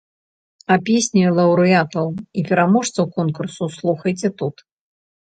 А песні лаўрэатаў і пераможцаў конкурсу слухайце тут.